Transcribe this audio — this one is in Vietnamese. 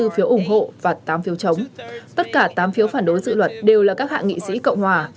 bốn trăm hai mươi bốn phiếu ủng hộ và tám phiếu chống tất cả tám phiếu phản đối dự luật đều là các hạ nghị sĩ cộng hòa